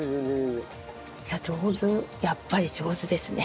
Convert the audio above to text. やっぱり上手ですね。